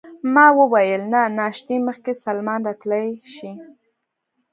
ما وویل: له ناشتې مخکې سلمان راتلای شي؟